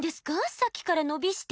さっきから伸びして。